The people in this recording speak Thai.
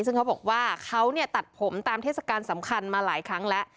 ซึ่งเขาบอกว่าเขาตัดผมตามเทศกาลสำคัญมาหลายครั้งแล้ว